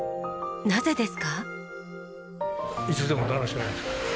なぜですか？